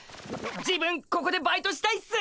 自分ここでバイトしたいっす！